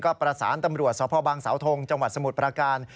ก็ประสานตำรวจสพบังเสาทงจังหวัดสมุทรประการ